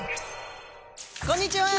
こんにちは。